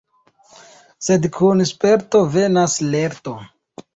Sed kun sperto venas lerto.